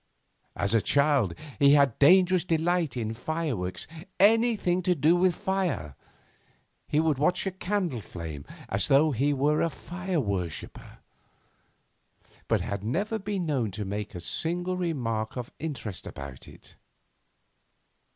As a child he had a dangerous delight in fireworks anything to do with fire. He would watch a candle flame as though he were a fire worshipper, but had never been known to make a single remark of interest about it.